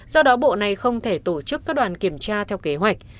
do đó bộ này không thể tổ chức các đoàn kiểm tra theo kế hoạch